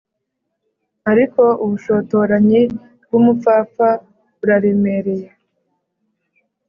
ariko ubushotoranyi bwumupfapfa buraremereye